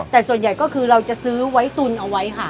แต่ส่วนใหญ่ก็คือเราจะซื้อไว้ตุนเอาไว้ค่ะ